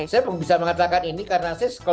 saya bisa mengatakan ini karena saya kalau ke jakarta